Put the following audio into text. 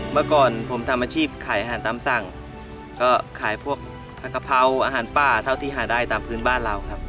เมื่อก่อนผมทำอาชีพขายอาหารตามสั่งก็ขายพวกผักกะเพราอาหารป้าเท่าที่หาได้ตามพื้นบ้านเราครับ